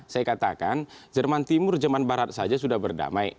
saya katakan jerman timur jerman barat saja sudah berdamai